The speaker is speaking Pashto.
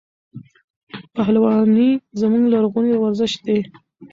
پهلواني زموږ لرغونی ورزش دی.